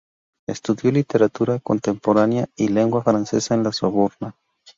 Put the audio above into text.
Estudió literatura contemporánea y lengua francesa en la Sorbona.